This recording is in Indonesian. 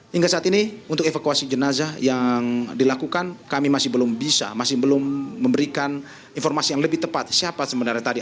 hingga saat ini untuk evakuasi jenazah yang dilakukan kami masih belum bisa masih belum memberikan informasi yang lebih tepat siapa sebenarnya tadi